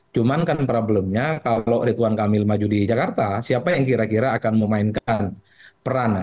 cuman kan problemnya kalau ridwan kamil maju di jakarta siapa yang kira kira akan memainkan peran